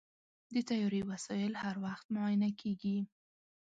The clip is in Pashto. د طیارې وسایل هر وخت معاینه کېږي.